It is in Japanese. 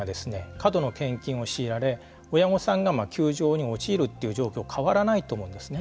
過度の献金を強いられ親御さんが窮状に陥るという状況は変わらないと思うんですね。